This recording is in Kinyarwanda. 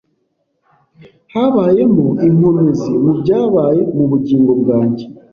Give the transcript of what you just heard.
habayemo inkomezi mu byabaye mu bugingo bwanjye